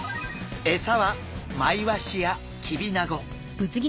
エサはマイワシやキビナゴ。